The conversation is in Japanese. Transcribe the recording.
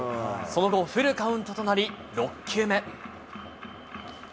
その後、フルカウントとなり、６球目。